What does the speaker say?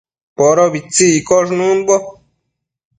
Podobitsi iccosh nëmbo